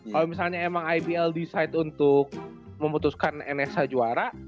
kalo misalnya emang ibl decide untuk memutuskan nsh juara